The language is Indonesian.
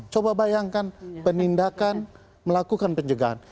coba bayangkan penindakan melakukan pencegahan